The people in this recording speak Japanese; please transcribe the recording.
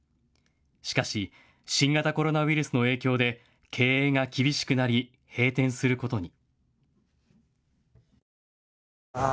しかし新型コロナウイルスの影響で経営が厳しくなり閉店することに。